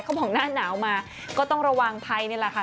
บอกหน้าหนาวมาก็ต้องระวังไทยนี่แหละค่ะ